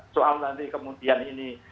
soal nanti kemudian ini